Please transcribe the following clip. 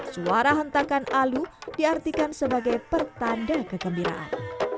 suara hentakan alu diartikan sebagai pertanda kegembiraan